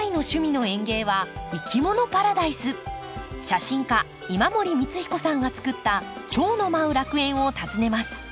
写真家今森光彦さんが作った蝶の舞う楽園を訪ねます。